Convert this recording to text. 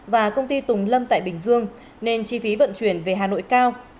và công ty tùng lâm tại bình dương nên chi phí vận chuyển về hà nội cao